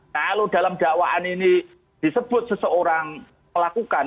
kalau dalam dakwaan ini disebut seseorang melakukan